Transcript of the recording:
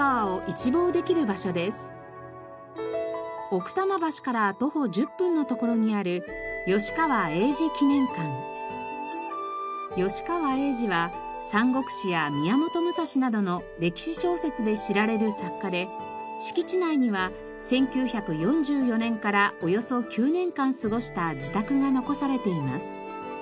奥多摩橋から徒歩１０分の所にある吉川英治は『三國志』や『宮本武蔵』などの歴史小説で知られる作家で敷地内には１９４４年からおよそ９年間過ごした自宅が残されています。